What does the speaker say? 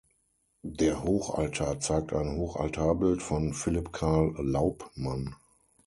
Der Hochaltar zeigt ein Hochaltarbild von Philipp Carl Laubmann.